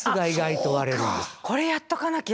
これやっとかなきゃ。